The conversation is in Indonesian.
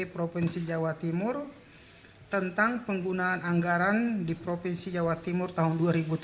provinsi jawa timur tentang penggunaan anggaran di provinsi jawa timur tahun dua ribu tujuh belas